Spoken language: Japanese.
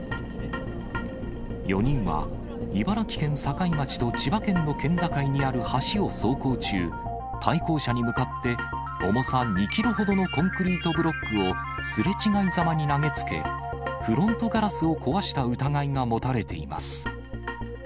４人は、茨城県境町と千葉県の県境にある橋を走行中、対向車に向かって、重さ２キロほどのコンクリートブロックをすれ違いざまに投げつけ、フロントガラスを壊した疑いが持たれています。